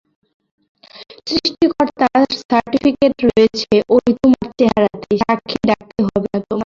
সৃষ্টিকর্তার সার্টিফিকেট রয়েছে ওই চেহারাতেই–সাক্ষী ডাকতে হবে না তোমার।